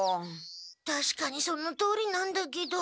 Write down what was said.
たしかにそのとおりなんだけど。